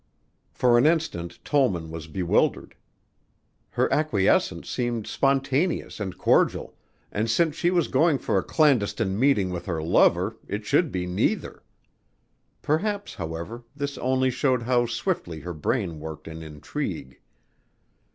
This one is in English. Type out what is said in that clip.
For an instant Tollman was bewildered. Her acquiescence seemed spontaneous and cordial, and since she was going for a clandestine meeting with her lover it should be neither. Perhaps, however, this only showed how swiftly her brain worked in intrigue.